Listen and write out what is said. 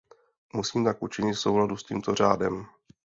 Musím tak učinit v souladu s tímto řádem.